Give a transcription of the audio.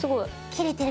切れてる！